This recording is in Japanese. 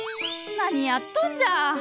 何やっとんじゃ。